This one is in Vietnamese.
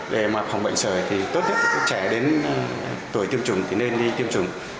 để mặc phòng bệnh sởi thì tốt nhất là trẻ đến tuổi tiêm chủng thì nên đi tiêm chủng